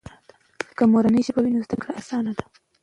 که مورنۍ ژبه وي، نو زده کړه آسانه ده.